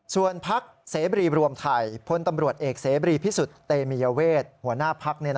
ส่วนพักเสบรีรวมไทยพลตำรวจเอกเสบรีพิสุทธิ์เตมียเวทหัวหน้าพัก